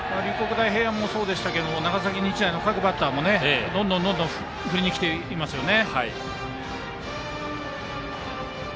大平安もそうでしたけど長崎日大の各バッターもどんどん振りに来ていますよね。